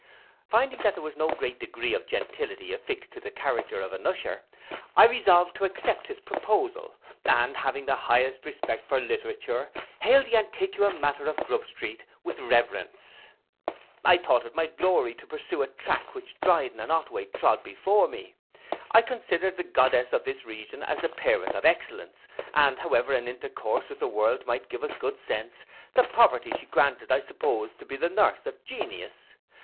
'Finding that there was no great degree of gentility affixed to the character of an usher, I resolved to accept his proposal; and having the highest respect for literature, hailed the antiqua mater of Grub street with reverence. I thought it my glory to pursue a track which Dryden and Otway trod before me. I considered the goddess of this region as the parent of excellence; and however an intercourse with the world might give us good sense, the poverty she granted I supposed to be the nurse of genius!